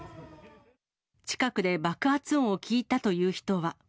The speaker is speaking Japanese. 近くで爆発音を聞いたという人は。